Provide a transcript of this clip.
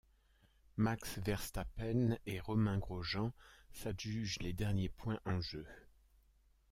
Max Verstappen et Romain Grosjean s'adjugent les derniers points en jeu.